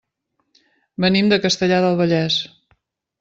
Venim de Castellar del Vallès.